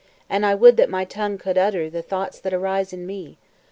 And I would that my tongue could utter The thoughts that arise in me.